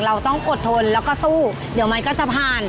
เราต้องอดทนแล้วก็สู้เดี๋ยวมันก็จะผ่าน